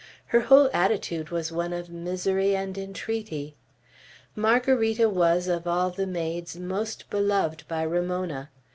Her whole attitude was one of misery and entreaty. Margarita was, of all the maids, most beloved by Ramona.